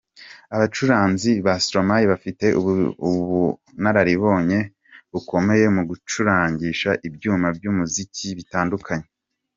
Abacuranzi ba Stromae bafite ubunararibonye bukomeye mu gucurangisha ibyuma by'umuziki bitandukanye.